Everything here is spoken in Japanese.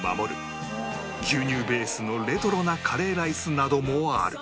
牛乳ベースのレトロなカレーライスなどもある